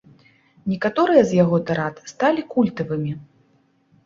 Некаторыя з яго тырад сталі культавымі.